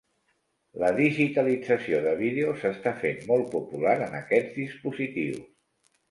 La digitalització de vídeos s'està fent molt popular en aquests dispositius.